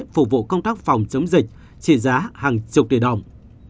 phục vụ công tác phòng chống dịch trị giá hàng chục tỷ đồng